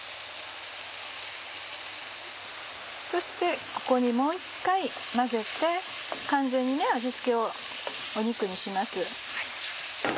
そしてここにもう一回混ぜて完全に味付けを肉にします。